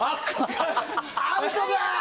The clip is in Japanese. アウトだー！